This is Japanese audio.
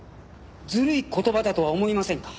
ずるい言葉だとは思いませんか？